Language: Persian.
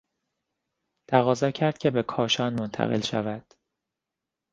تقاضا کرد که به کاشان منتقل شود.